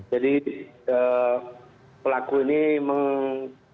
jadi pelaku ini mengkoordinasi